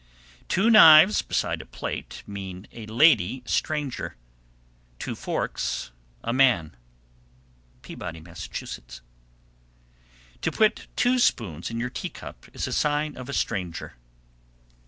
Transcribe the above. _ 765. Two knives beside a plate mean a lady stranger; two forks, a man. Peabody, Mass. 766. To put two spoons in your teacup is a sign of a stranger.